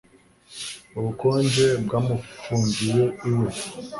Ubukonje bwamufungiye iwe